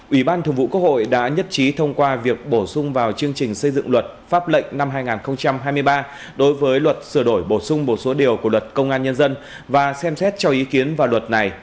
ủy ban thường vụ quốc hội đã nhất trí thông qua việc bổ sung vào chương trình xây dựng luật pháp lệnh năm hai nghìn hai mươi ba đối với luật sửa đổi bổ sung một số điều của luật công an nhân dân và xem xét cho ý kiến vào luật này